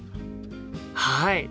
はい！